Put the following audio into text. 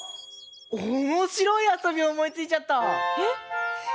おもしろいあそびおもいついちゃった！え？